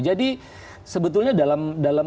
jadi sebetulnya dalam